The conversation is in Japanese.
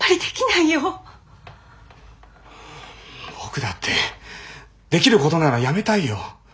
僕だってできることならやめたいよ。